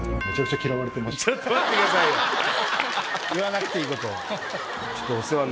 言わなくていいことを。